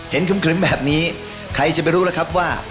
เห็นคลึมแบบนี้ใครจะรู้แล้วครับว่า